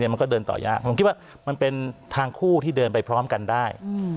มันก็เดินต่อยากผมคิดว่ามันเป็นทางคู่ที่เดินไปพร้อมกันได้